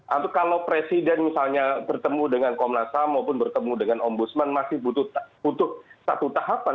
atau kalau presiden misalnya bertemu dengan komnas ham maupun bertemu dengan ombudsman masih butuh satu tahapan